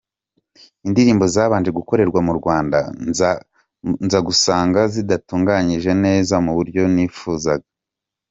Indirimbo zabanje gukorerwa mu Rwanda nza gusanga zidatunganyije neza mu buryo nifuzaga.